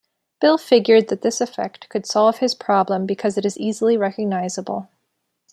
Bill figured that this effect could solve his problem because it is easily recognizable.